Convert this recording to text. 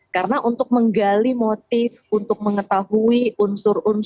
karena untuk menggali motif untuk mengetahui unsur unsur